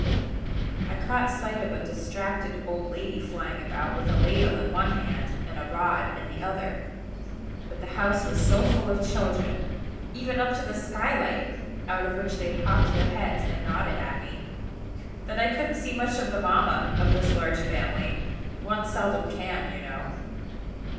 I caught sight of a distracted old lady flying about, with a ladle in one hand, and a rod in the other; but the house was so full of children (even up to the skylight, out of which they popped their heads, and nodded at me) that I couldn't see much of the mamma of this large family: one seldom can, you know.